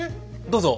どうぞ。